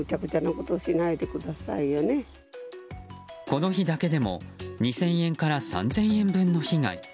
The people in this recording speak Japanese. この日だけでも２０００円から３０００円分の被害。